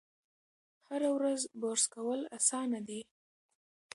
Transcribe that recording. هره ورځ برس کول اسانه دي.